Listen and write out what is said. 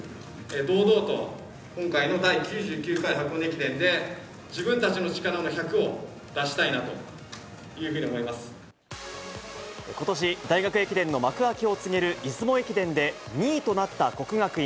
堂々と、今回の第９９回箱根駅伝で、自分たちの力の１００を出しことし、大学駅伝の幕開けを告げる出雲駅伝で２位となった國學院。